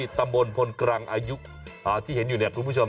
ตำบลพลกรังอายุที่เห็นอยู่เนี่ยคุณผู้ชม